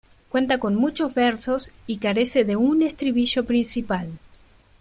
Cuenta con muchos versos y carece de un estribillo principal.